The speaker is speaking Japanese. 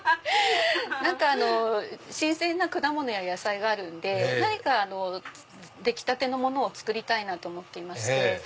新鮮な果物や野菜があるんで何か出来たてのものを作りたいなと思っていまして。